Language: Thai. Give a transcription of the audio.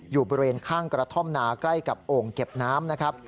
อยู่บริเวณข้างกระท่อมนาใกล้กับโอ่งเก็บน้ำนะครับ